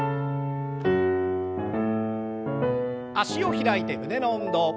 脚を開いて胸の運動。